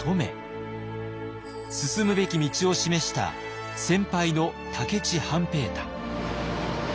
進むべき道を示した先輩の武市半平太。